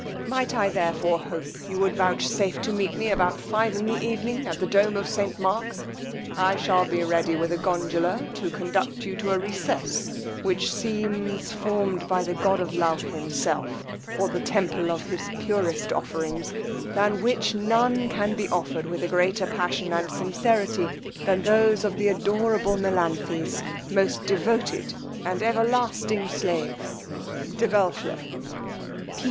Might I therefore hope you would vouchsafe to meet me about five in the evening at the dome of St. Mark, I shall be ready with a Gondula to conduct you to a recess, which seems formed by the god of love himself for the temple of his purest offerings, than which which none can be offered with greater passion and sincerity than those of the adorable Melanthe's Most devoted, and Everlasting Slave, DE BELLFLEUR.